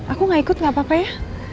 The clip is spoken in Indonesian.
aku gak ikut gak apa apa ya